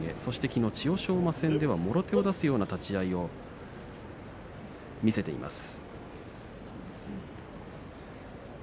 きのう、千代翔馬戦ではもろ手を出すような立ち合いを見せています。